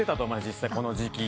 実際この時期。